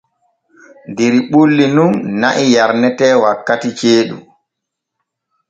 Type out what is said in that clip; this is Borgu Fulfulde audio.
Der ɓulli nun na'i yarnete wankati ceeɗu.